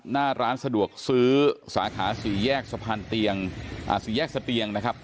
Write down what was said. หน้าร้านสะดวกซื้อสาขาสี่แยกสะพานสี่แยกสเตียงนะครับ